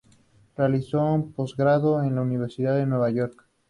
Realizó un postgrado en la Universidad de Nueva York.